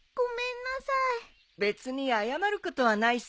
別に謝ることはないさ。